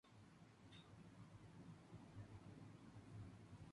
Ryukyu y Kagoshima United, quienes hicieron su debut en el campeonato.